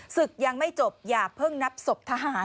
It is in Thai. ศึกยังไม่จบอย่าเพิ่งนับศพทหาร